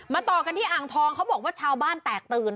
ต่อกันที่อ่างทองเขาบอกว่าชาวบ้านแตกตื่น